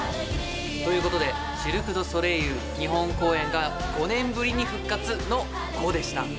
ということでシルク・ドゥ・ソレイユ日本公演が５年ぶりに復活の「５」でした。